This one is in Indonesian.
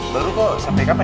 baru kok sampai kapan